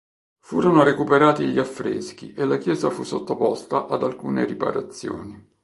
Furono recuperati gli affreschi e la chiesa fu sottoposta ad alcune riparazioni.